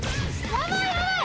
やばいやばい